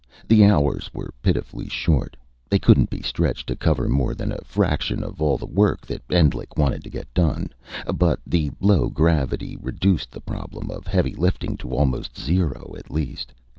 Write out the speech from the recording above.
The hours were pitifully short. They couldn't be stretched to cover more than a fraction of all the work that Endlich wanted to get done. But the low gravity reduced the problem of heavy lifting to almost zero, at least.